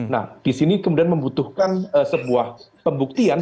nah di sini kemudian membutuhkan sebuah pembuktian